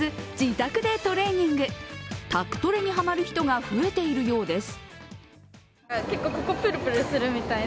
宅トレにハマる人が増えているようです。